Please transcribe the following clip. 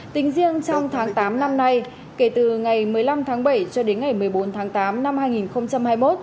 tính riêng trong tháng tám năm nay kể từ ngày một mươi năm tháng bảy cho đến ngày một mươi bốn tháng tám năm hai nghìn hai mươi một